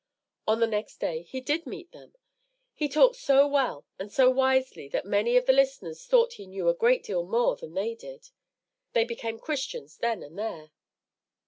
On the next day he did meet them. He talked so well and so wisely that many of the listeners thought he knew a great deal more than they did. They became Christians then and there.